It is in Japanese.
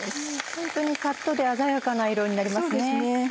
ホントにサッとで鮮やかな色になりますね。